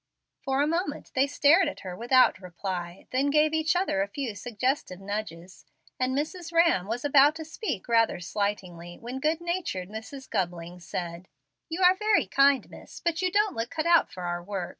For a moment they stared at her without reply, then gave each other a few suggestive nudges; and Mrs. Rhamm was about to speak rather slightingly, when good natured Mrs. Gubling said: "You are very kind, miss, but you don't look cut out for our work.